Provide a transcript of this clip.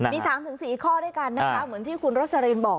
มี๓๔ข้อด้วยกันนะคะเหมือนที่คุณโรสลินบอก